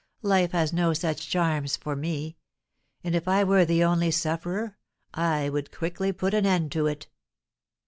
life has no such charms for me; and if I were the only sufferer, I would quickly put an end to it."